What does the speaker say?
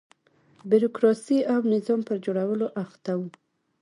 بیروکراسۍ او نظام پر جوړولو اخته و.